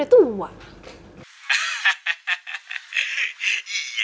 saya tunggu laporannya kalau begitu ya